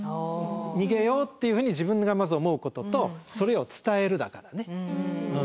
逃げようっていうふうに自分がまず思うこととそれを伝えるだからね。